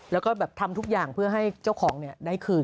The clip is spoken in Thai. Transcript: แล้วก็แบบทำทุกอย่างเพื่อให้เจ้าของได้คืน